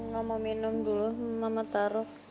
gak mau minum dulu mama taruh